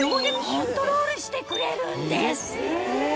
コントロールしてくれるんです